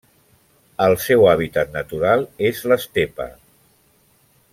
El seu hàbitat natural és l'estepa.